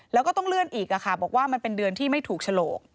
แล้วก็ต้องเลื่อนอีกบอกว่ามันเป็นเดือนที่ไม่ถูกฉลก